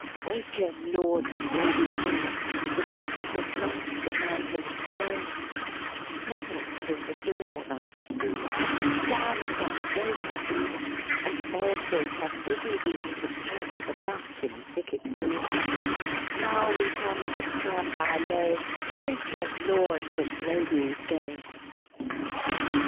123 THE SPEAKING VOICE " Waken, lords and ladies gay, The mist has left the mountain gray, Springlets in the dawn are steaming, Diamonds on the brake are gleaming; And foresters have busy been To track the buck in thicket green; Now we come to chant our lay 'Waken, lords and ladies gay.'